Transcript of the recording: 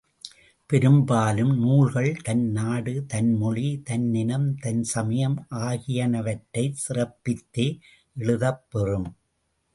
பெரும்பாலும் நூல்கள் தன் நாடு, தன் மொழி, தன் இனம், தன் சமயம் ஆகியனவற்றைச் சிறப்பித்தே எழுதப்பெறும்.